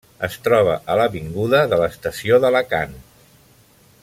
Es troba a l'avinguda de l'Estació d'Alacant.